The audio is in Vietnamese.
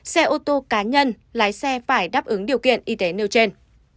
xe ô tô cá nhân lái xe phải đáp ứng điều kiện y tế nêu trên